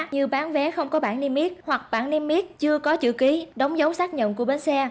như bán vé không có bảng niêm yết hoặc bản niêm yết chưa có chữ ký đóng dấu xác nhận của bến xe